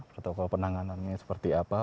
protokol penanganannya seperti apa